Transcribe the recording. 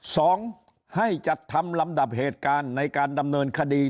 สองให้จัดทำลำดับเหตุการณ์ในการดำเนินคดี